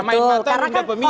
main mata undang undang pemilu